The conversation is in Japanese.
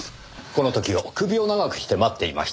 この時を首を長くして待っていました。